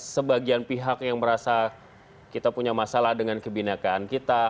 sebagian pihak yang merasa kita punya masalah dengan kebinakan kita